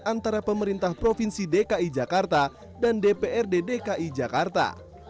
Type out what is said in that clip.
antara pemerintah provinsi dki jakarta dan dprd dki jakarta